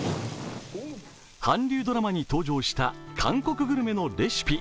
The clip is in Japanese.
韓流ドラマに登場した韓国グルメのレシピ。